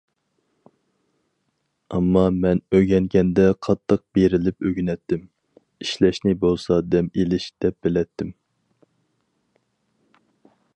ئەمما مەن ئۆگەنگەندە قاتتىق بېرىلىپ ئۆگىنەتتىم، ئىشلەشنى بولسا دەم ئېلىش، دەپ بىلەتتىم.